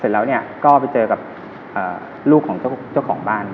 เสร็จแล้วก็ไปเจอกับลูกของเจ้าของบ้าน